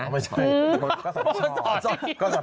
ไม่ใช่อาสอชอบจริงอาสอชอบจริง